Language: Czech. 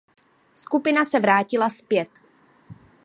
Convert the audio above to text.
Skupina se vrátila zpět.